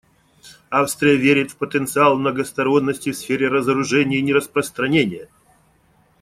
Австрия верит в потенциал многосторонности в сфере разоружения и нераспространения.